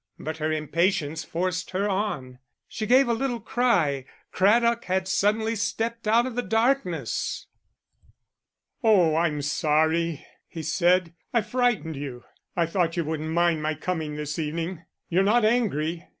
But her impatience forced her on. She gave a little cry. Craddock had suddenly stepped out of the darkness. "Oh, I'm sorry," he said, "I frightened you. I thought you wouldn't mind my coming this evening. You're not angry?"